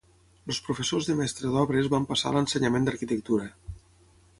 Els professors de mestre d'obres van passar a l'ensenyament d'arquitectura.